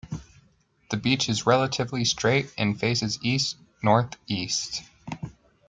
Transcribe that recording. The beach is relatively straight and faces east-north-east.